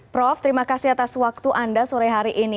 prof terima kasih atas waktu anda sore hari ini